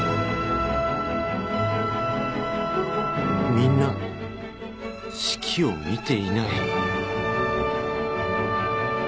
みんな指揮を見ていない